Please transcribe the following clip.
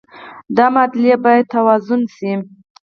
دا معادلې باید توازن شي.